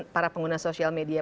para pengguna social media